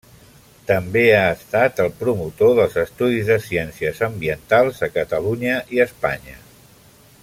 També ha estat el promotor dels estudis de ciències ambientals a Catalunya i a Espanya.